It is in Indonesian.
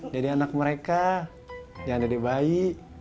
jadi anak mereka jangan jadi bayi